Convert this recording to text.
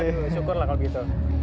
wah aduh syukur lah kalau begitu